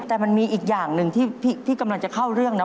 แต่มันมีอีกอย่างหนึ่งที่กำลังจะเข้าเรื่องนะ